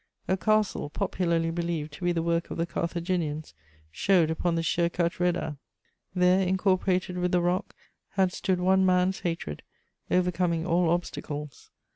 A castle, popularly believed to be the work of the Carthaginians, showed upon the sheer cut redan. There, incorporated with the rock, had stood one man's hatred, overcoming all obstacles.